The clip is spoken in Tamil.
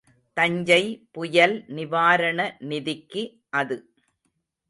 தஞ்சை புயல் நிவாரண நிதிக்கு அது.